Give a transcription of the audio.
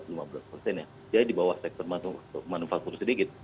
jadi di bawah sektor manufaktur sedikit